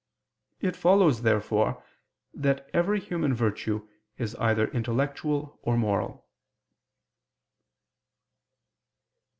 It follows therefore that every human virtue is either intellectual or moral.